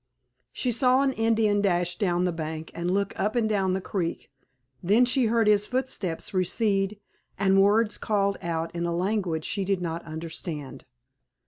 She saw an Indian dash down the bank and look up and down the creek, then she heard his footsteps recede and words called out in a language she did not understand.